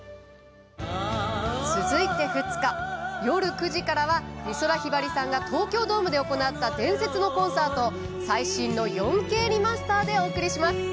続いて２日、夜９時からは美空ひばりさんが東京ドームで行った伝説のコンサートを最新の４Ｋリマスターでお送りします。